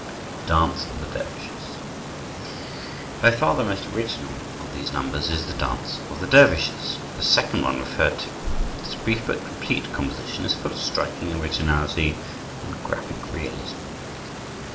The Dance of the Dervishes By far the most original of these numbers is "The Dance of the Dervishes," the second one referred to. This brief but complete composition is full of striking originality and graphic realism.